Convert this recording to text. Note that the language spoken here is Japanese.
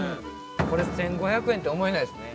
これ１５００円とは思えないですね。